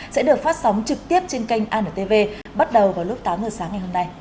sẽ được phát sóng trực tiếp trên kênh antv bắt đầu vào lúc tám giờ sáng ngày hôm nay